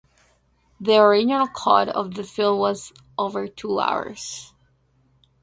The original cut of the film was over two hours.